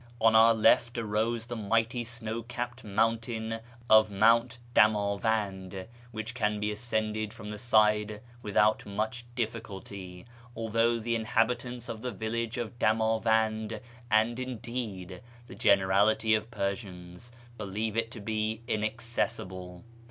On our left arose the mighty snow capped cone of Mount Demavend, which can be ascended from this side without much difficulty, although the inhabitants of the village of Demavend, and, indeed, the generality of Persians, believe it to be inaccessible.